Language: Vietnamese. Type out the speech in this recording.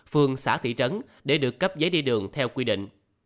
phường xã thị trấn để được cấp giấy đi đường theo quy định